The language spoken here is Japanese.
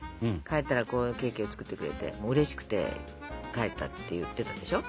帰ったらこういうケーキを作ってくれてうれしくて帰ったって言ってたでしょ？